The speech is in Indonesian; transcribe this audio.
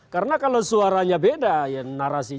karena kalau suaranya beda ya narasinya tentu nanti tidak akan hidup